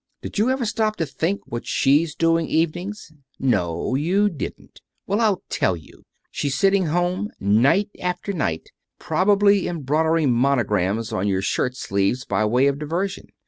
Did you ever stop to think what she's doing evenings? No, you didn't. Well, I'll tell you. She's sitting home, night after night, probably embroidering monograms on your shirt sleeves by way of diversion.